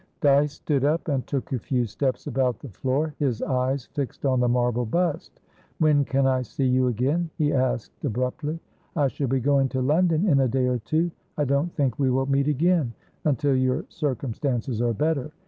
Dyce stood up and took a few steps about the floor, his eyes fixed on the marble bust. "When can I see you again?" he asked abruptly. "I shall be going to London in a day or two; I don't think we will meet againuntil your circumstances are better.